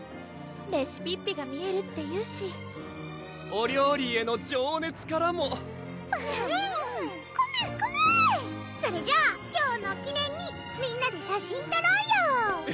レシピッピが見えるっていうしお料理への情熱からもコメコメそれじゃあ今日の記念にみんなで写真とろうよ！